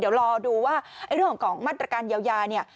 เดี๋ยวรอดูว่าเรื่องของกล่องมัดประการเยาว์เนี่ย